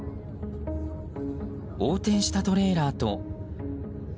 横転したトレーラーと。